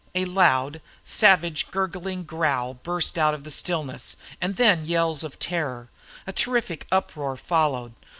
A loud, savage, gurgling growl burst out in the stillness, and then yells of terror. A terrific uproar followed.